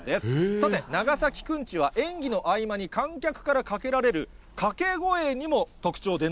さて、長崎くんちは演技の合間に観客からかけられる掛け声にも特徴、